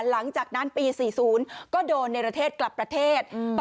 หลังจากนั้นปีสี่ศูนย์ก็โดนในรเทศกลับประเทศอืม